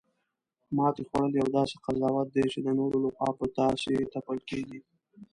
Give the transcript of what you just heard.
ماتې خوړل یو داسې قضاوت دی، چی د نورو لخوا په تاسې تپل کیږي